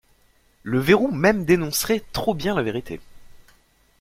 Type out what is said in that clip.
Le verrou même dénoncerait trop bien la vérité.